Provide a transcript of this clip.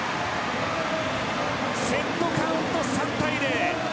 セットカウント、３対０。